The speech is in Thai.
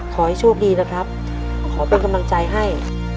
ขอให้โชคดีนะครับขอเป็นกำลังใจให้